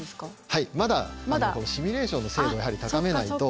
はいまだシミュレーションの精度をやはり高めないと。